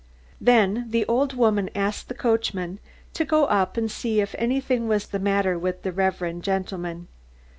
Then the old woman asked the coachman to go up and see if anything was the matter with the reverend gentleman.